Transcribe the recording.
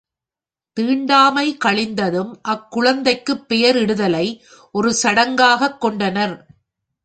தீண்டாமை கழிந்ததும் அக்குழந்தைக்குப் பெயர் இடுதலை ஒரு சடங்காகத் கொண்டனர்.